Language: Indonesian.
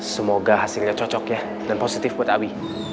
semoga hasilnya cocok ya dan positif buat abi